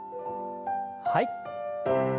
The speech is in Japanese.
はい。